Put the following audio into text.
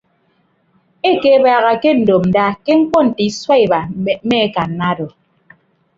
Ekebaaha ke ndopnda ke ñkpọ nte isua iba mme akanna odo.